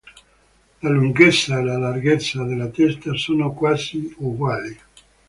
La lunghezza e la larghezza della testa sono quasi uguali.